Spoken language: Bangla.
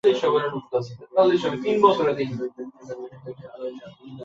পরবর্তীতে গার্ডনার এই গবেষণার উপর একটি বিস্তৃত রিভিউ লিখেছিলেন।